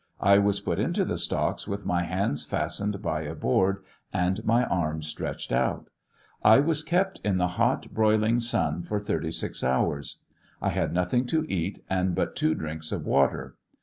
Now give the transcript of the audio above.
I was put into the stocks with my hands fastened by a board and my arras • stretched out. I was kept in the hot broiling sun for 36 hours. I had nothing to eat, and but two drinks of water.